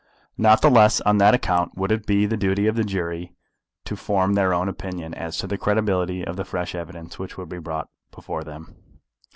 Not the less on that account would it be the duty of the jury to form their own opinion as to the credibility of the fresh evidence which would be brought before them.